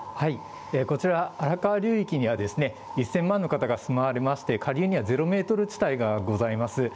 こちら、荒川流域には１０００万の方が住まわれまして、下流にはゼロメートル地帯がございます。